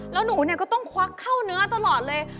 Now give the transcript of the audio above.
แล้วหนูก็ต้องควักเข้าเนื้อตลอดเลย